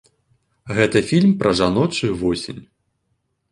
Гэта фільм пра жаночую восень.